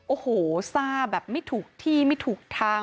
โอ้โหซ่าแบบไม่ถูกที่ไม่ถูกทาง